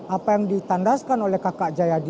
apa yang ditandaskan oleh kakak jayadi anand tadi